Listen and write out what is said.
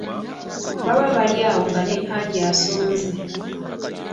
Baba bali awo nga ne Haji asonze.